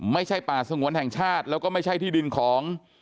ไม่ใช่ป่าสงวนแห่งชาติแล้วก็ไม่ใช่ที่ดินของ